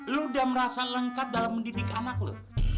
lo udah merasa lengkap dalam mendidik anak lo